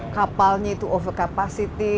kapalnya itu over capacity